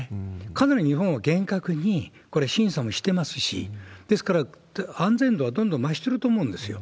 かなり日本は厳格にこれ、審査もしてますし、だから安全度はどんどん増してると思うんですよ。